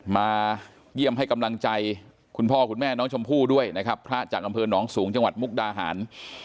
มาเยี่ยมให้กำลังใจคุณพ่อคุณแม่น้องชมพู่ด้วยนะครับพระจากอำเภอหนองสูงจังหวัดมุกดาหาร